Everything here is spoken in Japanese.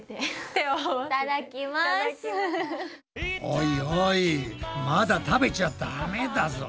おいおいまだ食べちゃダメだぞ。